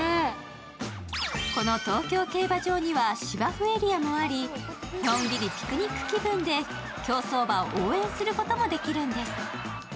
この東京競馬場には芝生エリアもありのんびりピクニック気分で競走馬を応援することもできるんです。